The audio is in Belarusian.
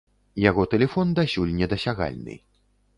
Яго тэлефон дасюль недасягальны.